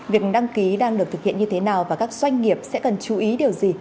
việc đăng ký đang được thực hiện như thế nào và các doanh nghiệp sẽ cần chú ý điều gì